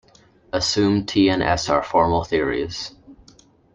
Assume T and S are formal theories.